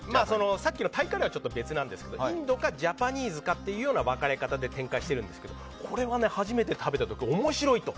さっきのタイカレーはちょっと別なんですがインドかジャパニーズという分かれ方で展開していますがこれは初めて食べた時面白いと。